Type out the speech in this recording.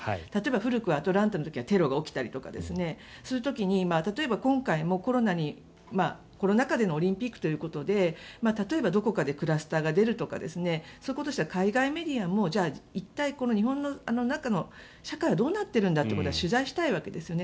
古くはアトランタの時にはテロが起きたりとかそういう時に例えば今回もコロナ禍でのオリンピックということで例えば、どこかでクラスターが出るとかそういうことしたら海外メディアは一体、日本の中の社会はどうなってるんだってことは取材したいわけですよね。